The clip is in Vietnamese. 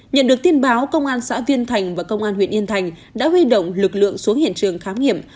nhận được tin báo công an xã viên thành và công an huyện yên thành đã huy động lực lượng xuống hiện trường khám nghiệm